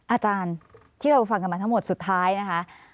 อาจารย์ที่เราฟังกันมาทั้งหมดสุดท้ายนะคะ